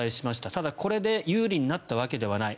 ただ、これで有利になったわけではない。